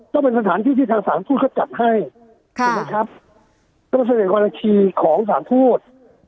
ต้องเป็นสถานที่ที่ทางสารทูตเขาจัดให้ต้องเศรษฐกรณาคีของสารทูต